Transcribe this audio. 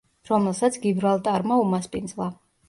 რომელსაც გიბრალტარმა უმასპინძლა.